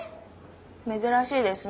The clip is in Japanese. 珍しいですね。